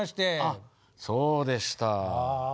あそうでした。